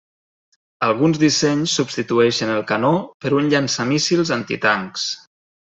Alguns dissenys substitueixen el canó per un llançamíssils antitancs.